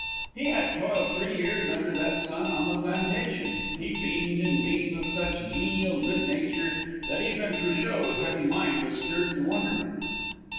He had toiled three years under that sun on the plantation. He beamed and beamed with such genial good nature that even Cruchot's heavy mind was stirred to wonderment.